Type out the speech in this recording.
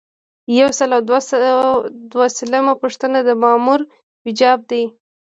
یو سل او دولسمه پوښتنه د مامور وجایب دي.